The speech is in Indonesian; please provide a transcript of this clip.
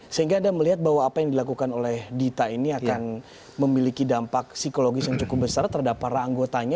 sehingga anda melihat bahwa apa yang dilakukan oleh dita ini akan memiliki dampak psikologis yang cukup besar terhadap para anggotanya